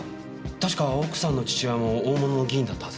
確か奥さんの父親も大物の議員だったはず。